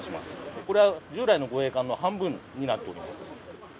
これは従来の護衛艦の半分になっております。